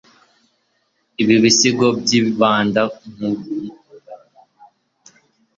ibi bisigo byibanda nkumuyoboro